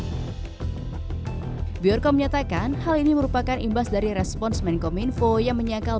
dikuburkan biar kau menyatakan hal ini merupakan imbas dari respons mencom info yang menyangkal